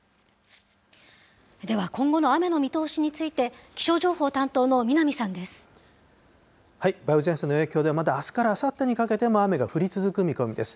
では、今後の雨の見通しについて、梅雨前線の影響で、まだあすからあさってにかけても、雨が降り続く見込みです。